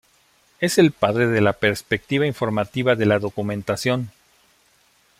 Es el padre de la perspectiva informativa de la Documentación.